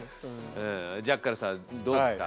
ジャッカルさんどうですか？